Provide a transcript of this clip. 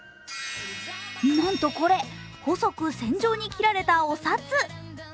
なんとこれ、細く線状に切られたお札。